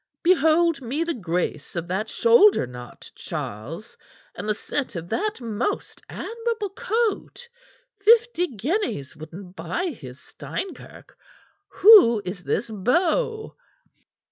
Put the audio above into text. Behold me the grace of that shoulder knot, Charles, and the set of that most admirable coat. Fifty guineas wouldn't buy his Steinkirk. Who is this beau?"